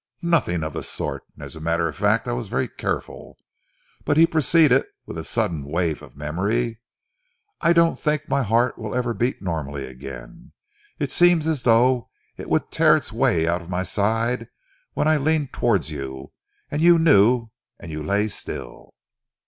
"Nothing of the sort! As a matter of fact, I was very careful. But," he proceeded, with a sudden wave of memory, "I don't think my heart will ever beat normally again. It seemed as though it would tear its way out of my side when I leaned towards you, and you knew, and you lay still."